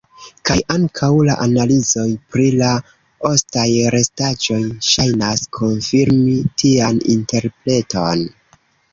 Kaj ankaŭ la analizoj pri la ostaj restaĵoj ŝajnas konfirmi tian interpreton.